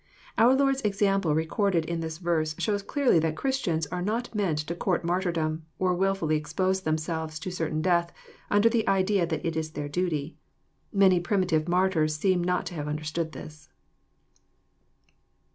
Our Lord's example recorded in this verse shows clearly that Christians are not meant to court martyrdom, or wilfully expose themselves to certain death, under the idea that it is their duty. Many primitive martyrs seem not to have understood this.